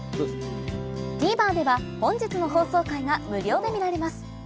ＴＶｅｒでは本日の放送回が無料で見られます